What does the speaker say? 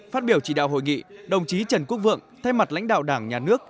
phát biểu chỉ đạo hội nghị đồng chí trần quốc vượng thay mặt lãnh đạo đảng nhà nước